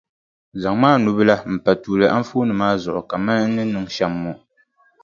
Zaŋmi a nubila m-pa tuuli anfooni maa zuɣu kamani n ni niŋ shɛm ŋɔ.